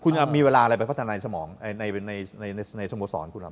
คุณมีเวลาอะไรไปพัฒนาในสโมสรคุณหรือ